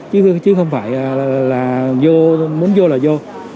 chứ không phải là vô muốn vô là vô